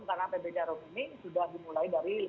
karena pb jarum ini sudah dimulai dari lima puluh tahun yang lalu